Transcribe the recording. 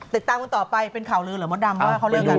ติดตามตอนต่อไปเป็นข่าวลืมหรือหมดดำ